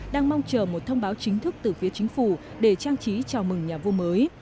đang mong chờ một thông báo chính thức từ phía chính phủ để trang trí chào mừng nhà vua mới